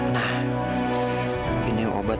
nah ini obat